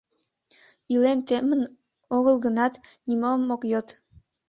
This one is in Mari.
Илен темын огыл гынат, нимом ок йод.